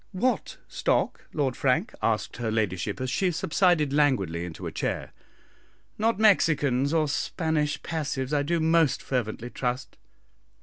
"What stock, Lord Frank?" asked her ladyship, as she subsided languidly into a chair; "not Mexicans or Spanish passives, I do most fervently trust."